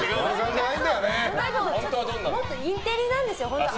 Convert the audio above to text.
もっとインテリなんですよ本当は。